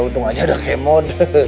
untung aja ada kemot